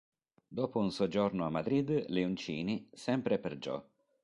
Dopo un soggiorno a Madrid, Leoncini, sempre per Gio.